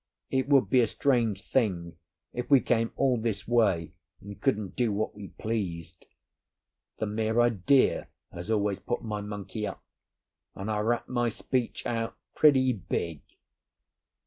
It would be a strange thing if we came all this way and couldn't do what we pleased. The mere idea has always put my monkey up, and I rapped my speech out pretty big.